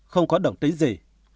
không có động tính gì